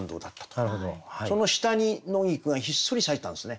その下に野菊がひっそり咲いてたんですね。